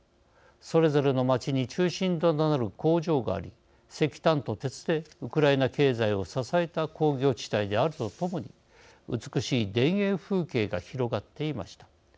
それぞれの街に中心となる工場があり石炭と鉄でウクライナ経済を支えた工業地帯であるとともに美しい田園風景が広がっていました。